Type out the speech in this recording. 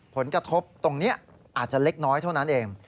ผลกระทบตรงนี้อาจจะเล็กน้อยเท่านั้นเอง